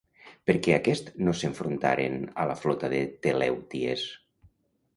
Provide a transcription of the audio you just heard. Per què aquests no s'enfrontaren a la flota de Telèuties?